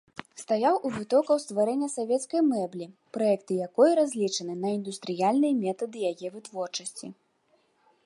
Стаяў у вытокаў стварэння савецкай мэблі, праекты якой разлічаны на індустрыяльныя метады яе вытворчасці.